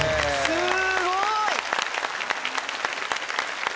すごい！